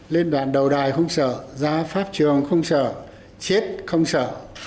lên đoạn đầu đài không sợ ra pháp trường không sợ chết không sợ